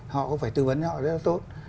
họ cũng phải tư vấn họ rất là tốt